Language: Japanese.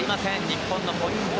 日本のポイント。